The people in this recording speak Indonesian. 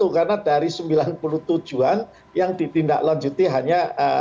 karena dari sembilan puluh tujuh an yang ditindaklanjuti hanya tiga